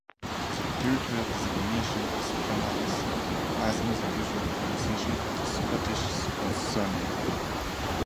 The territorial designation is pronounced as in the usual pronunciation of the Scottish surname.